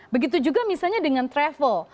begitu juga misalnya dengan travel